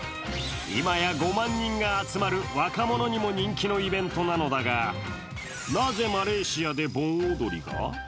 今や５万人が集まる若者にも人気のイベントなのだが、なぜマレーシアで盆踊りが？